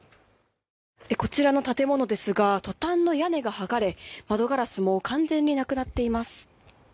こちらの建物ですがトタンの屋根が剥がれ窓ガラスも完全になくなっています。